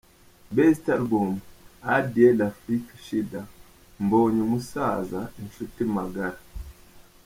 Best Album: A Dieu l’afrique shida, Mbonye umusaza, Inshuti magara.